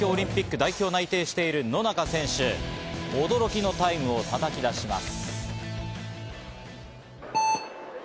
東京オリンピック代表に内定している野中選手、驚きのタイムをたたき出します。